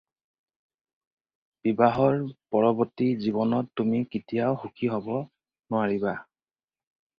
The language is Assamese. বিবাহৰ পৰৱৰ্তী জীৱনত তুমি কেতিয়াও সুখী হ'ব নোৱাৰিবা।